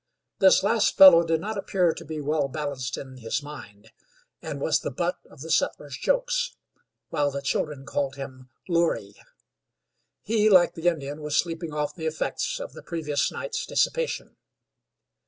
This last fellow did not appear to be well balanced in his mind, and was the butt of the settlers' jokes, while the children called him "Loorey." He, like the Indian, was sleeping off the effects of the previous night's dissipation.